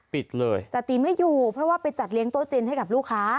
ปิดเลยจติไม่อยู่เพราะว่าไปจัดเลี้ยโต๊จีนให้กับลูกค้า